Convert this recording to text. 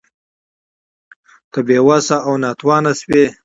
که بې وسه او ناتوانه شوې